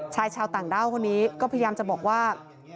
ชายชาวต่างด้าวคนนี้ก็พยายามจะบอกว่า